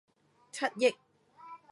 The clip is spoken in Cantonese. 七億